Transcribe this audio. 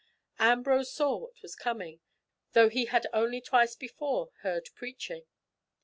Ambrose saw what was coming, though he had only twice before heard preaching.